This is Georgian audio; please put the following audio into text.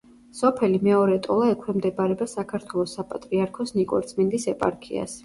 სოფელი მეორე ტოლა ექვემდებარება საქართველოს საპატრიარქოს ნიკორწმინდის ეპარქიას.